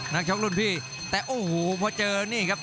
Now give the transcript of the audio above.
นักชกรุ่นพี่แต่โอ้โหพอเจอนี่ครับ